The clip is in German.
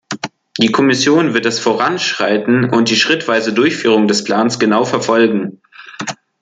Die Kommission wird das Voranschreiten und die schrittweise Durchführung des Plans genau verfolgen.